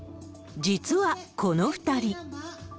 実はこの２人。